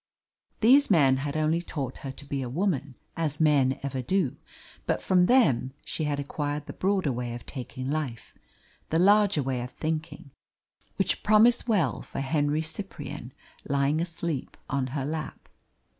These men had only taught her to be a woman, as men ever do; but from them she had acquired the broader way of taking life, the larger way of thinking, which promised well for Henry Cyprian lying asleep on her lap.